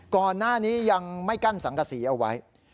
ก่อนหน้านี้ยังไม่กั้นสังกษีเอาไว้